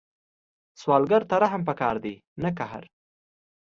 سوالګر ته رحم پکار دی، نه قهر